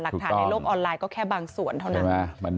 หลักฐานในโลกออนไลน์ก็แค่บางส่วนเท่านั้น